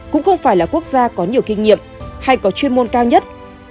cũng không phải là quốc gia có nhiều kinh nghiệm hay có chuyên môn cao nhất